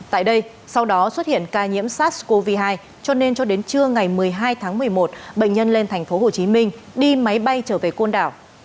tại đây sau đó xuất hiện ca nhiễm sars cov hai cho nên cho đến trưa ngày một mươi hai tháng một mươi một bệnh nhân lên thành phố hồ chí minh đi máy bay trở về côn đảo